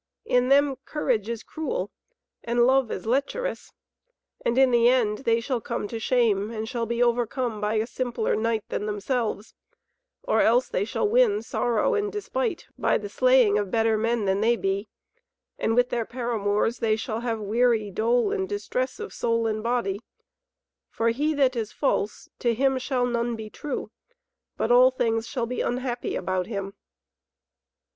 In them courage is cruel, and love is lecherous. And in the end they shall come to shame and shall be overcome by a simpler knight than themselves; or else they shall win sorrow and despite by the slaying of better men than they be; and with their paramours they shall have weary dole and distress of soul and body; for he that is false, to him shall none be true, but all things shall be unhappy about him."